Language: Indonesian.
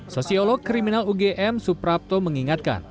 sosiolog kriminal ugm suprapto mengingatkan